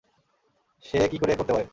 সে কী করে করতে পারে?